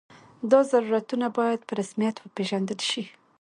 دا ضرورتونه باید په رسمیت وپېژندل شي.